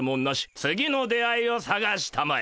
次の出会いをさがしたまえ！